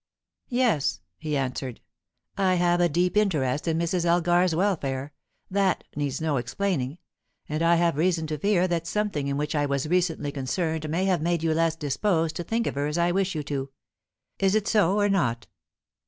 "Yes," he answered. "I have a deep interest in Mrs. Elgar's welfare that needs no explaining and I have reason to fear that something in which I was recently concerned may have made you less disposed to think of her as I wish you to. Is it so or not?"